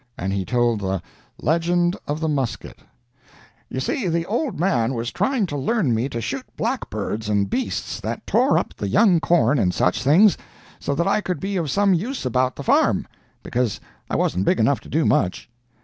And he told the LEGEND OF THE MUSKET "You see, the old man was trying to learn me to shoot blackbirds and beasts that tore up the young corn and such things, so that I could be of some use about the farm, because I wasn't big enough to do much.